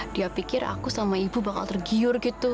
dia pikir aku sama ibu bakal tergiur gitu